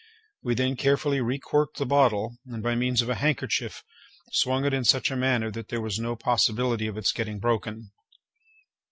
We then carefully recorked the bottle, and, by means of a handkerchief, swung it in such a manner that there was no possibility of its getting broken.